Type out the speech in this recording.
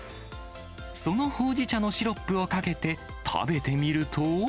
そのほうじ茶のシロップをかけて、食べてみると。